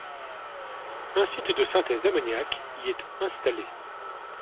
Un site de synthèse d'ammoniac y est installé.